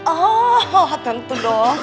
oh tentu dong